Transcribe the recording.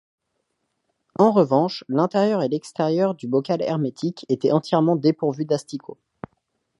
En revanche, l’intérieur et l’extérieur du bocal hermétique étaient entièrement dépourvus d’asticots.